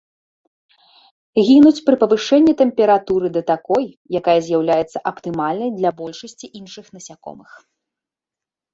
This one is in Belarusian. Гінуць пры павышэнні тэмпературы да такой, якая з'яўляецца аптымальнай для большасці іншых насякомых.